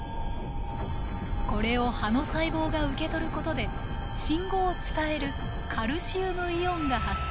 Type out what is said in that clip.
これを葉の細胞が受け取ることで信号を伝えるカルシウムイオンが発生。